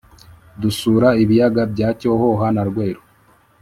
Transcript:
dusura ibiyaga bya cyohoha na rweru